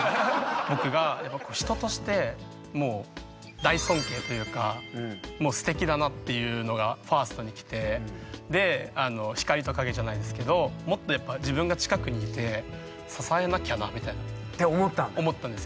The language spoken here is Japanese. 僕がやっぱ人としてもう大尊敬というかもうすてきだなっていうのがファーストにきてで光と影じゃないですけどもっとやっぱ自分が近くにいて支えなきゃなみたいな。って思ったんだ？